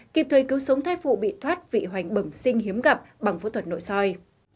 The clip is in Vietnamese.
kịp thời cứu sống thai phụ bị thoát vị hoành bẩm sinh hiếm gặp bằng phẫu thuật nội soi